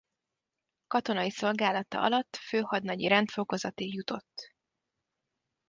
Katonai szolgálata alatt főhadnagyi rendfokozatig jutott.